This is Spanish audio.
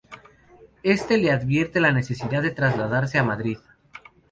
Este le advierte la necesidad de trasladarse a Madrid.